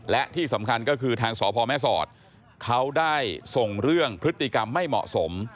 และที่สำคัญก็คือทางสพแม่สอดเขาได้ส่งเรื่องพฤติกรรมไม่เหมาะสม